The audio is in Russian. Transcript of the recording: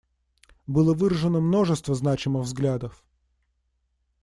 Было выражено множество значимых взглядов.